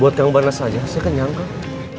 buat kang barnas saja saya kenyang kang